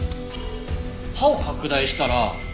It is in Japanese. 刃を拡大したら。